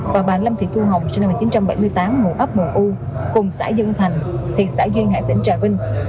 và bà lâm thị thu hồng sinh năm một nghìn chín trăm bảy mươi tám ngụ ấp mùa u cùng xã dân thành thị xã duyên hải tỉnh trà vinh